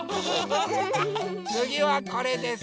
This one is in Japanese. つぎはこれです！